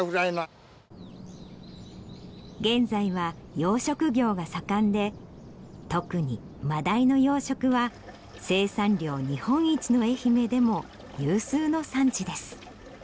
現在は養殖業が盛んで特にマダイの養殖は生産量日本一の愛媛でも有数の産地です。